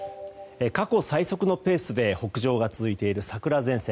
過去最速のペースで北上が続いている桜前線。